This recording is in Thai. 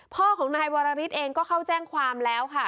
พ่อของนายวรริสเองก็เข้าแจ้งความแล้วค่ะ